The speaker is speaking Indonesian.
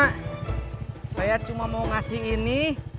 tuhan cuma mau ngasih ini